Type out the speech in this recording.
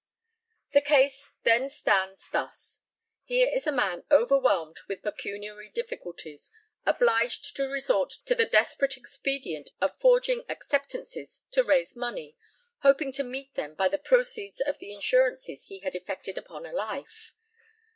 The case then stands thus: Here is a man overwhelmed with pecuniary difficulties, obliged to resort to the desperate expedient of forging acceptances to raise money, hoping to meet them by the proceeds of the insurances he had effected upon a life.